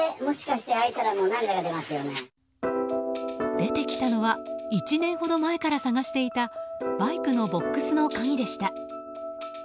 出てきたのは１年ほど前から探していたバイクのボックスの鍵でした。